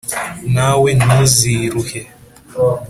na we ntuziruhe,